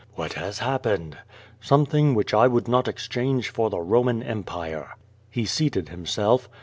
"What has happened?" "Something which I would not exchange for the Koman Empire." He seated himself.